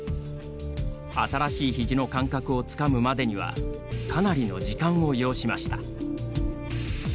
新しい肘の感覚をつかむまでにはかなりの時間を要しました。